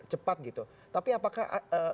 cepat gitu tapi apakah